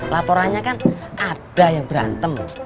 laporannya kan ada yang berantem